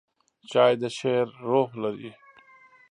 چای د شعر روح لري.